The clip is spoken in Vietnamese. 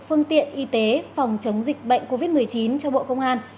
phương tiện y tế phòng chống dịch bệnh covid một mươi chín cho bộ công an